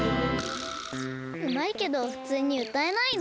うまいけどふつうにうたえないの？